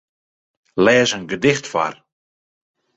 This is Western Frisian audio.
Lês in gedicht foar.